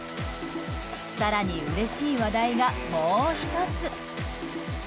更に、うれしい話題がもう１つ。